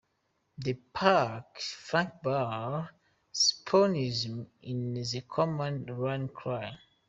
The "Puck Flattsburgh" spoonerism is a common rallying cry.